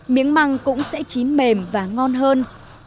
miếng măng cũng sẽ chín mềm và ngon hơn